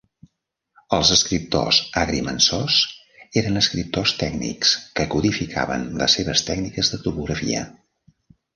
Els escriptors agrimensors eren escriptors tècnics que codificaven les seves tècniques de topografia.